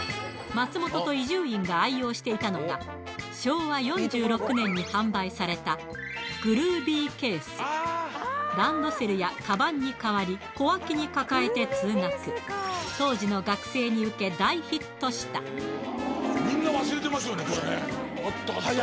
松本と伊集院が愛用していたのが昭和４６年に販売されたグルービーケースランドセルやカバンに代わり小脇に抱えて通学当時の学生にウケ大ヒットしたみんな忘れてますよね